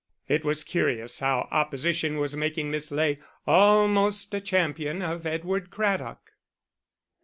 It was curious how opposition was making Miss Ley almost a champion of Edward Craddock.